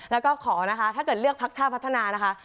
แล้วก็ขอนะคะถ้าเกิดเลือกพักชาติพัฒนานะคะ